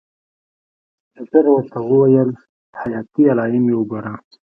ډاکتر ورته وويل حياتي علايم يې وګوره.